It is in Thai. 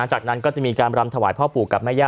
จากนั้นก็จะมีการรำถวายพ่อปู่กับแม่ย่า